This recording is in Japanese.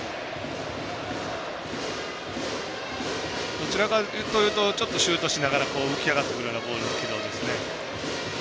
どちらかというとシュートしながら浮き上がってくるようなボールの軌道ですね。